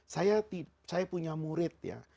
saya punya murid ya